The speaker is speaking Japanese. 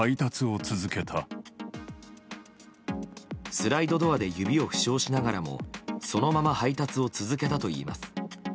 スライドドアで指を負傷しながらもそのまま配達を続けたといいます。